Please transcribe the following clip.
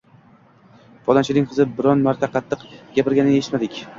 Falonchining qizi biron marta qattiq gapirganini eshitmadik.